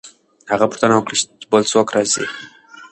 هغه پوښتنه وکړه چې بل څوک راځي؟